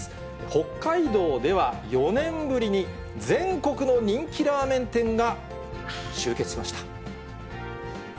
北海道では、４年ぶりに全国の人気ラーメン店が集結しました。